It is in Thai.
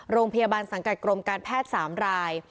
โรงพยาบาลสังกัดกรมการแพทย์๓ราย